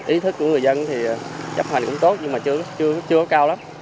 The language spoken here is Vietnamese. ý thức của người dân thì chấp hành cũng tốt nhưng mà chưa cao lắm